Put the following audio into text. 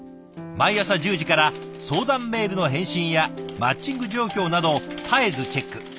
毎朝１０時から相談メールの返信やマッチング状況など絶えずチェック。